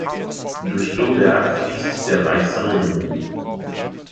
Durch Lohberg fließt der Weiße Regen.